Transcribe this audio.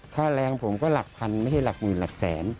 ค่าแรงผมก็หลักพันไม่ใช่หลักหมื่นหลักแสน